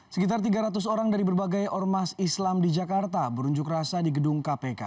sekitar tiga ratus orang dari berbagai ormas islam di jakarta berunjuk rasa di gedung kpk